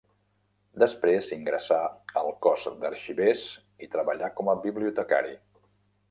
Després ingressà al Cos d'Arxivers i treballà com a bibliotecari.